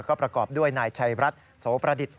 ก็ประกอบด้วยนายชัยรัฐโสประดิษฐ